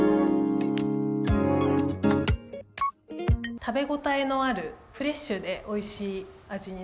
食べごたえのあるフレッシュでおいしい味になります。